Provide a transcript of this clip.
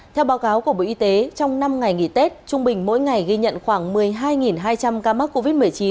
theo báo cáo của bộ y tế trong năm ngày nghỉ tết trung bình mỗi ngày ghi nhận khoảng một mươi hai hai trăm linh ca mắc covid một mươi chín